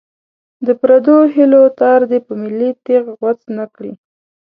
د پردو هیلو تار دې په ملي تېغ غوڅ نه کړي.